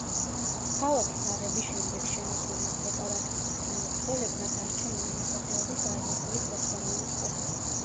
ქალაქის აღების შემდეგ შემოსულმა სეპარატისტთა მებრძოლებმა დარჩენილი მოსახლეობის არნახული ხოცვა მოაწყვეს.